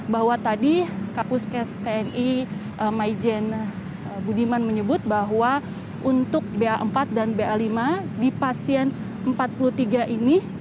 bahwa tadi kapuskes tni maijen budiman menyebut bahwa untuk ba empat dan ba lima di pasien empat puluh tiga ini